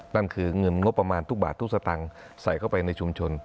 นั่นคือเงินงบประมาณทุกบาททุกสตางค์ใส่เข้าไปในชุมชน